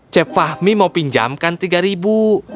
cep fahmi mau pinjamkan tiga ribu